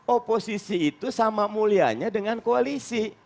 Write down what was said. oposisi itu sama mulianya dengan koalisi